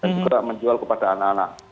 dan juga menjual kepada anak anak